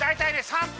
３分！